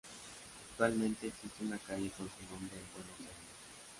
Actualmente existe una calle con su nombre en Buenos Aires.